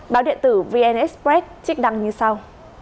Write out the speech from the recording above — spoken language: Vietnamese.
báo điện tử vn express trích đăng như sau